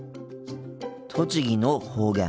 栃木の方言。